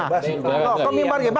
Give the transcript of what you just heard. kau imbar bebas